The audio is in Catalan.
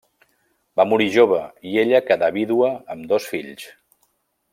Va morir jove i ella quedà vídua amb dos fills.